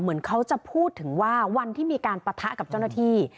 เหมือนเขาจะพูดถึงว่าวันที่มีการปะทะกับเจ้าหน้าที่